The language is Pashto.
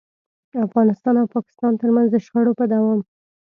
افغانستان او پاکستان ترمنځ د شخړو په دوام.